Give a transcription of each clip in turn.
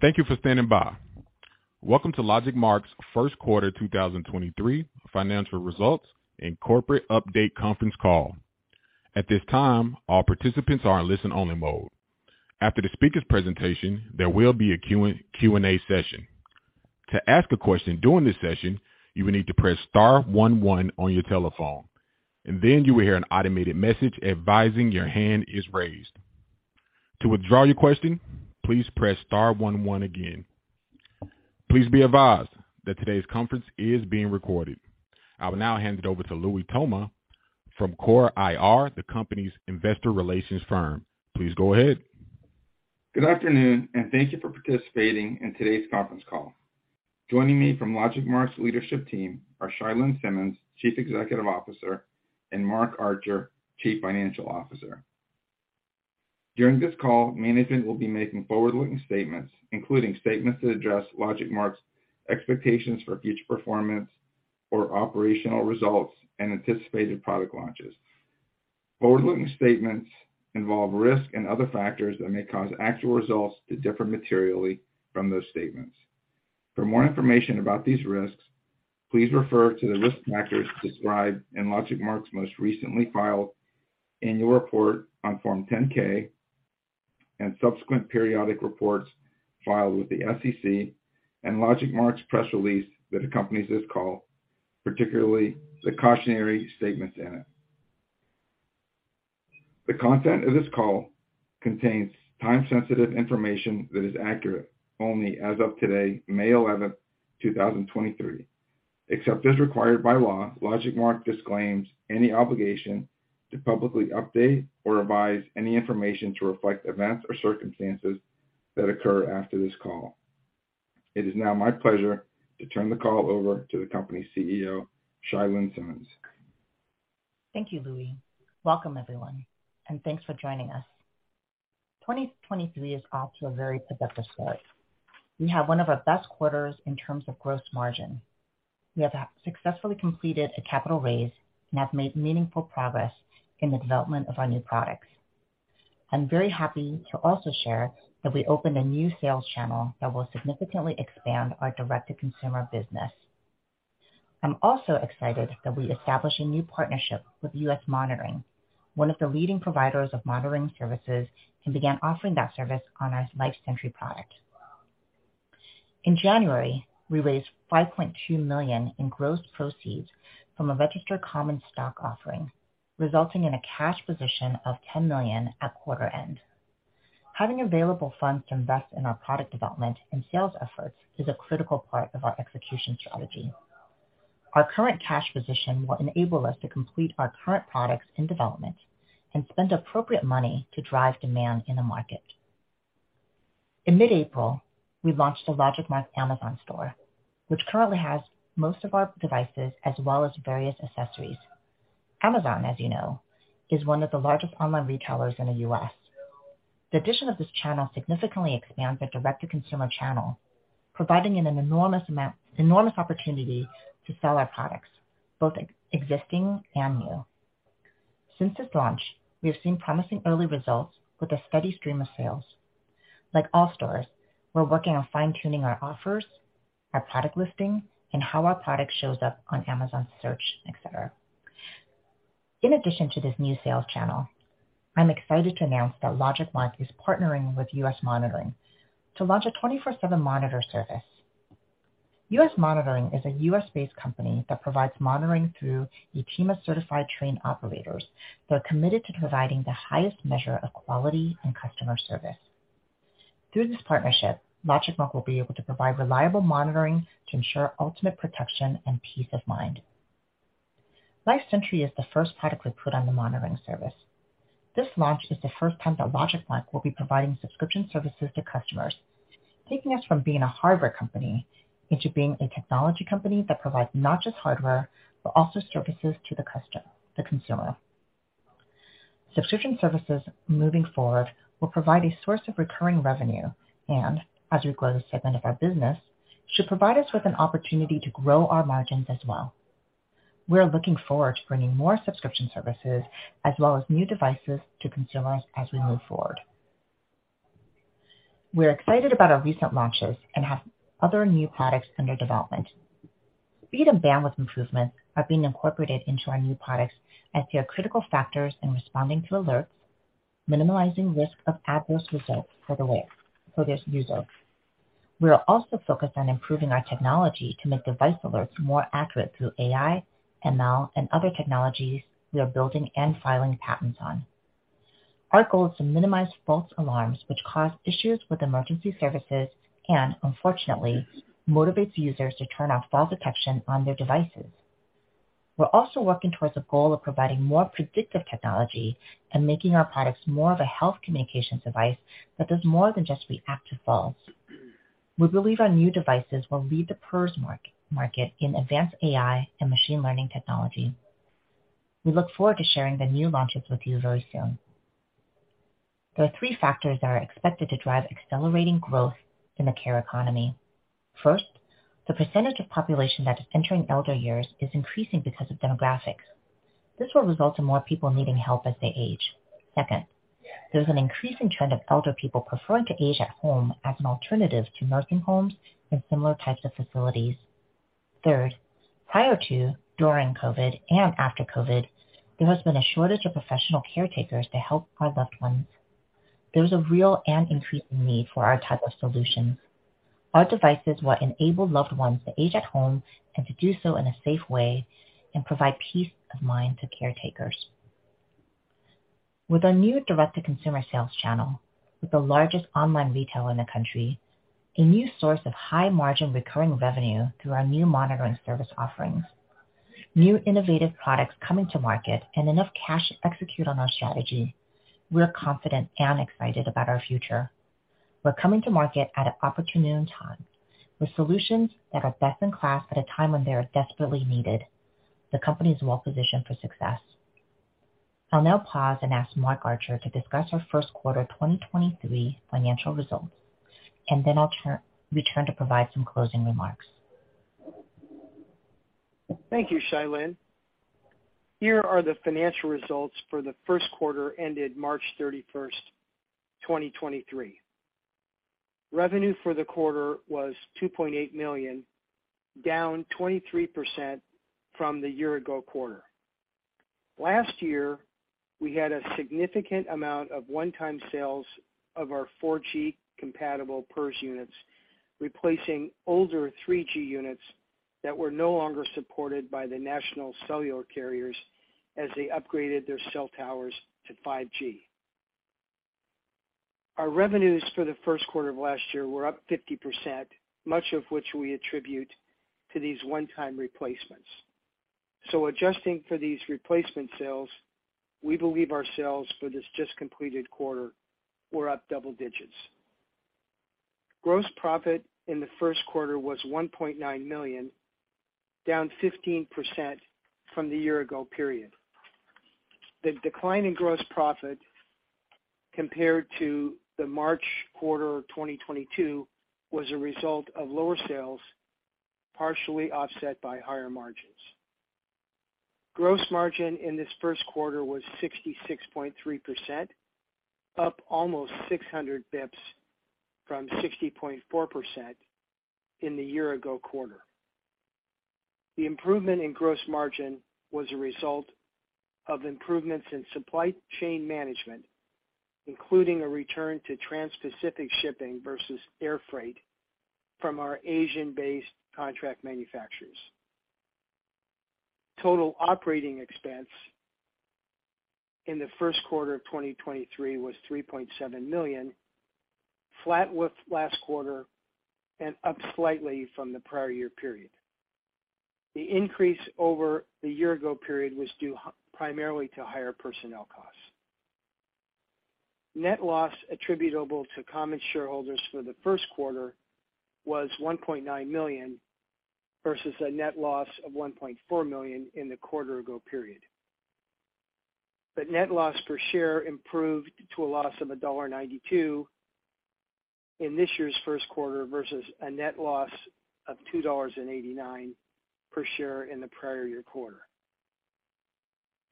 Thank you for standing by. Welcome to LogicMark's first quarter 2023 financial results and corporate update conference call. At this time, all participants are in listen-only mode. After the speaker's presentation, there will be a Q and A session. To ask a question during this session, you will need to press star one one on your telephone, and then you will hear an automated message advising your hand is raised. To withdraw your question, please press star one one again. Please be advised that today's conference is being recorded. I will now hand it over to Louie Toma from Core IR, the company's investor relations firm. Please go ahead. Good afternoon. Thank you for participating in today's conference call. Joining me from LogicMark's leadership team are Chia-Lin Simmons, Chief Executive Officer, and Mark Archer, Chief Financial Officer. During this call, management will be making forward-looking statements, including statements that address LogicMark's expectations for future performance or operational results and anticipated product launches. Forward-looking statements involve risks and other factors that may cause actual results to differ materially from those statements. For more information about these risks, please refer to the risk factors described in LogicMark's most recently filed annual report on Form 10-K and subsequent periodic reports filed with the SEC and LogicMark's press release that accompanies this call, particularly the cautionary statements in it. The content of this call contains time-sensitive information that is accurate only as of today, May 11th, 2023. Except as required by law, LogicMark disclaims any obligation to publicly update or revise any information to reflect events or circumstances that occur after this call. It is now my pleasure to turn the call over to the company's CEO, Chia-Lin Simmons. Thank you, Louie. Welcome, everyone, and thanks for joining us. 2023 is off to a very productive start. We have one of our best quarters in terms of gross margin. We have successfully completed a capital raise and have made meaningful progress in the development of our new products. I'm very happy to also share that we opened a new sales channel that will significantly expand our direct-to-consumer business. I'm also excited that we established a new partnership with U.S. Monitoring Inc., one of the leading providers of monitoring services, and began offering that service on our LifeSentry product. In January, we raised $5.2 million in gross proceeds from a registered common stock offering, resulting in a cash position of $10 million at quarter end. Having available funds to invest in our product development and sales efforts is a critical part of our execution strategy. Our current cash position will enable us to complete our current products in development and spend appropriate money to drive demand in the market. In mid-April, we launched the LogicMark Amazon store, which currently has most of our devices as well as various accessories. Amazon, as you know, is one of the largest online retailers in the U.S. The addition of this channel significantly expands the direct-to-consumer channel, providing an enormous opportunity to sell our products, both existing and new. Since this launch, we have seen promising early results with a steady stream of sales. Like all stores, we're working on fine-tuning our offers, our product listing, and how our product shows up on Amazon search, et cetera. In addition to this new sales channel, I'm excited to announce that LogicMark is partnering with U.S. Monitoring to launch a 24/7 monitor service. U.S. Monitoring is a U.S.-based company that provides monitoring through a team of certified trained operators who are committed to providing the highest measure of quality and customer service. Through this partnership, LogicMark will be able to provide reliable monitoring to ensure ultimate protection and peace of mind. LifeSentry is the first product we put on the monitoring service. This launch is the first time that LogicMark will be providing subscription services to customers, taking us from being a hardware company into being a technology company that provides not just hardware, but also services to the customer, the consumer. Subscription services moving forward will provide a source of recurring revenue and, as we grow this segment of our business, should provide us with an opportunity to grow our margins as well. We are looking forward to bringing more subscription services as well as new devices to consumers as we move forward. We're excited about our recent launches and have other new products under development. Speed and bandwidth improvements are being incorporated into our new products as they are critical factors in responding to alerts, minimizing risk of adverse results for these users. We are also focused on improving our technology to make device alerts more accurate through AI, ML, and other technologies we are building and filing patents on. Our goal is to minimize false alarms which cause issues with emergency services and unfortunately motivates users to turn off fall detection on their devices. We're also working towards a goal of providing more predictive technology and making our products more of a health communication device that does more than just react to falls. We believe our new devices will lead the PERS market in advanced AI and machine learning technology. We look forward to sharing the new launches with you very soon. There are three factors that are expected to drive accelerating growth in the care economy. First, the percentage of population that is entering elder years is increasing because of demographics. This will result in more people needing help as they age. Second, there's an increasing trend of elder people preferring to age at home as an alternative to nursing homes and similar types of facilities. Third, prior to, during COVID, and after COVID, there has been a shortage of professional caretakers to help our loved ones. There's a real and increasing need for our type of solution. Our devices will enable loved ones to age at home and to do so in a safe way and provide peace of mind to caretakers. With our new direct-to-consumer sales channel, with Amazon, a new source of high margin recurring revenue through our new monitoring service offerings, new innovative products coming to market, and enough cash to execute on our strategy, we're confident and excited about our future. We're coming to market at an opportune time with solutions that are best in class at a time when they are desperately needed. The company is well-positioned for success. I'll now pause and ask Mark Archer to discuss our first quarter 2023 financial results, I'll return to provide some closing remarks. Thank you, Chia-Lin. Here are the financial results for the first quarter ended March 31st, 2023. Revenue for the quarter was $2.8 million, down 23% from the year-ago quarter. Last year, we had a significant amount of one-time sales of our 4G compatible PERS units, replacing older 3G units that were no longer supported by the national cellular carriers as they upgraded their cell towers to 5G. Our revenues for the first quarter of last year were up 50%, much of which we attribute to these one-time replacements. Adjusting for these replacement sales, we believe our sales for this just completed quarter were up double digits. Gross profit in the first quarter was $1.9 million, down 15% from the year-ago period. The decline in gross profit compared to the March quarter of 2022 was a result of lower sales, partially offset by higher margins. Gross margin in this first quarter was 66.3%, up almost 600 BPS from 60.4% in the year ago quarter. The improvement in gross margin was a result of improvements in supply chain management, including a return to Transpacific shipping versus air freight from our Asian-based contract manufacturers. Total operating expense in the first quarter of 2023 was $3.7 million, flat with last quarter and up slightly from the prior year period. The increase over the year ago period was due primarily to higher personnel costs. Net loss attributable to common shareholders for the first quarter was $1.9 million versus a net loss of $1.4 million in the quarter ago period. Net loss per share improved to a loss of $1.92 in this year's first quarter versus a net loss of $2.89 per share in the prior year quarter.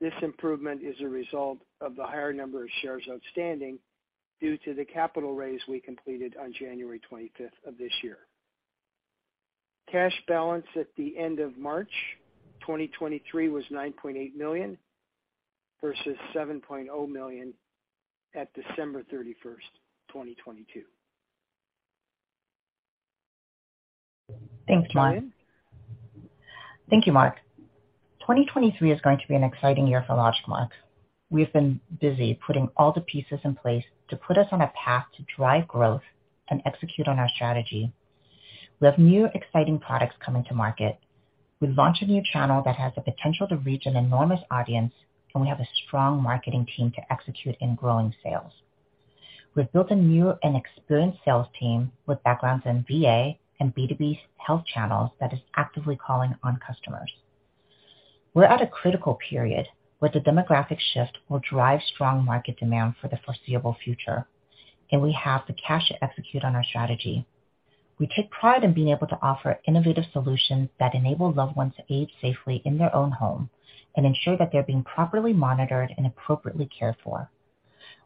This improvement is a result of the higher number of shares outstanding due to the capital raise we completed on January 25th of this year. Cash balance at the end of March 2023 was $9.8 million versus $7.0 million at December 31st, 2022. Thanks, Mark. Thank you, Mark. 2023 is going to be an exciting year for LogicMark. We have been busy putting all the pieces in place to put us on a path to drive growth and execute on our strategy. We have new exciting products coming to market. We've launched a new channel that has the potential to reach an enormous audience, and we have a strong marketing team to execute in growing sales. We've built a new and experienced sales team with backgrounds in VA and B2B health channels that is actively calling on customers. We're at a critical period where the demographic shift will drive strong market demand for the foreseeable future, and we have the cash to execute on our strategy. We take pride in being able to offer innovative solutions that enable loved ones to age safely in their own home and ensure that they're being properly monitored and appropriately cared for.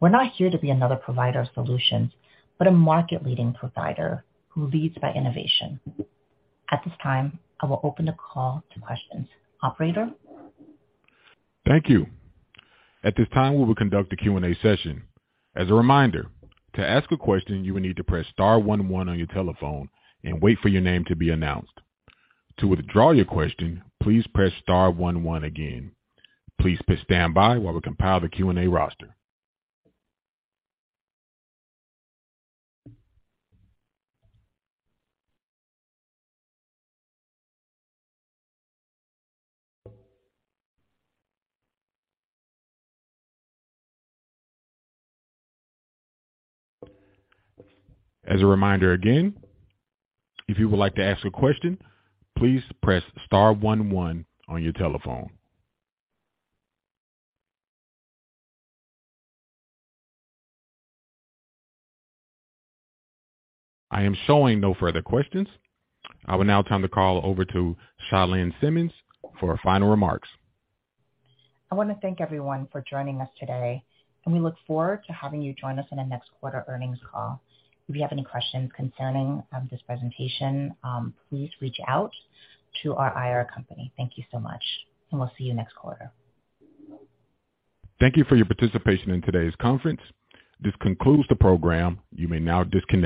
We're not here to be another provider of solutions, but a market-leading provider who leads by innovation. At this time, I will open the call to questions. Operator? Thank you. At this time, we will conduct a Q and A session. As a reminder, to ask a question, you will need to press star one one on your telephone and wait for your name to be announced. To withdraw your question, please press star one one again. Please stand by while we compile the Q and A roster. As a reminder again, if you would like to ask a question, please press star one one on your telephone. I am showing no further questions. I will now turn the call over to Chia-Lin Simmons for her final remarks. I want to thank everyone for joining us today. We look forward to having you join us in the next quarter earnings call. If you have any questions concerning this presentation, please reach out to our IR company. Thank you so much. We will see you next quarter. Thank you for your participation in today's conference. This concludes the program. You may now disconnect.